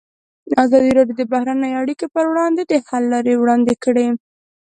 ازادي راډیو د بهرنۍ اړیکې پر وړاندې د حل لارې وړاندې کړي.